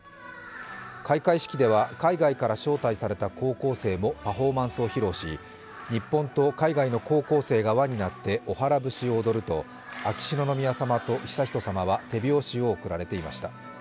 開会式では海外から招待された高校生もパフォーマンスを披露し、日本と海外の高校生が輪になっておはら節を踊ると秋篠宮さまと悠仁さまは、手拍子を送られていました。